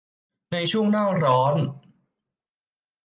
ในช่วงหน้าร้อน